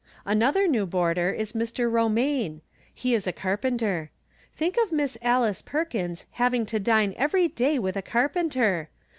Another new boarder is Mr. Romaine. He is a carpenter. Think of Miss Alice Perkins hav ing to dine every day with a carpenter